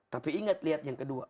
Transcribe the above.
tapi ingat lihat yang kedua